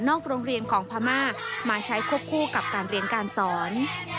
โรงเรียนของพม่ามาใช้ควบคู่กับการเรียนการสอน